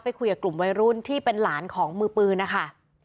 คุยกับกลุ่มวัยรุ่นที่เป็นหลานของมือปืนนะคะ